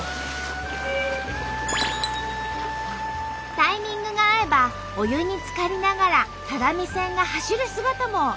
タイミングが合えばお湯につかりながら只見線が走る姿も楽しめるんだって。